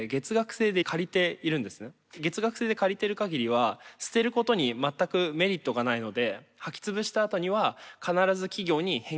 月額制で借りてるかぎりは捨てることに全くメリットがないのではき潰したあとには必ず企業に返却することになる。